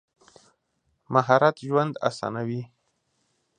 مهارت ژوند اسانوي.